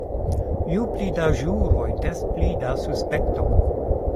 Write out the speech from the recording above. Ju pli da ĵuroj, des pli da suspekto.